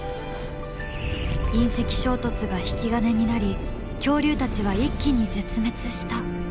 隕石衝突が引き金になり恐竜たちは一気に絶滅したと考えられてきた。